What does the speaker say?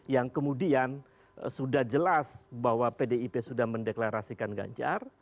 yang kemudian sudah jelas bahwa pdip sudah mendeklarasikan ganjar